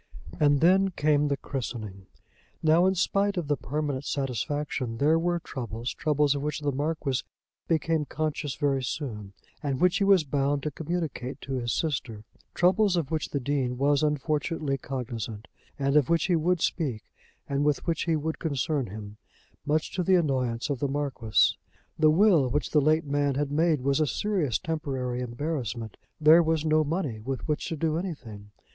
And then came the christening. Now in spite of the permanent satisfaction there were troubles, troubles of which the Marquis became conscious very soon, and which he was bound to communicate to his sister, troubles of which the Dean was unfortunately cognisant, and of which he would speak and with which he would concern him, much to the annoyance of the Marquis. The will which the late man had made was a serious temporary embarrassment. There was no money with which to do anything.